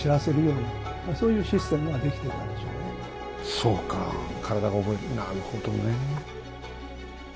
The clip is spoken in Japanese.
そうか体が覚えるなるほどね。